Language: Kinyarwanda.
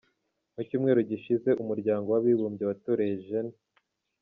Mu cyumweru gishize, Umuryango w’Abibumbye watoreye Gen.